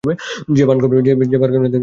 যে ভান করবে, সে সারাক্ষিণই করবে।